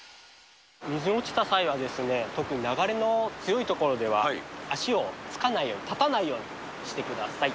水に落ちた際は、特に流れの強い所では、足をつかない、立たないようにしてください。